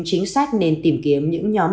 chính sách nên tìm kiếm những nhóm